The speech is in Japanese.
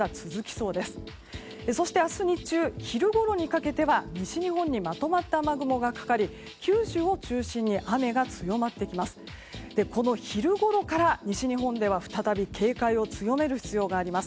そして明日日中昼ごろにかけては西日本にまとまった雨雲がかかり九州を中心に雨が強まってきます。